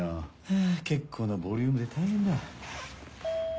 ハァ結構なボリュームで大変だ。